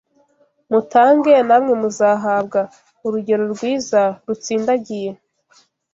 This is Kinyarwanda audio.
Mutange, namwe muzahabwa; urugero rwiza rutsindagiye,